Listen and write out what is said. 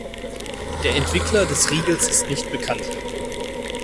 Der Entwickler des Riegels ist nicht bekannt.